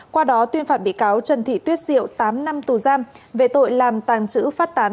qua đó tuyên phạt bị cáo trần thị tuyết diệu tám năm tù giam về tội làm tàng trữ phát tán